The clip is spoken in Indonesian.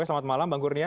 selamat malam bang kurnia